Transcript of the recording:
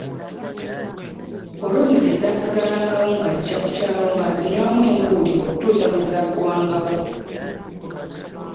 Olwo nno ezaasigalangawo ng'ajja ku kyalo ng'azinywamu enguuli okutuusa bwe zaggwangawo.